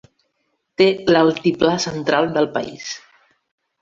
Té l'altiplà central del país.